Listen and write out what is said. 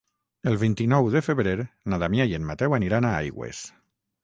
El vint-i-nou de febrer na Damià i en Mateu aniran a Aigües.